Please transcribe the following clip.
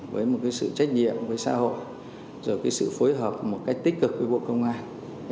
với một cái sự trách nhiệm với xã hội rồi cái sự phối hợp một cách tích cực với bộ công an